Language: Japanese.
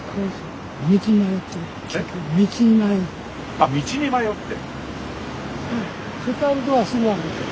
あっ道に迷って。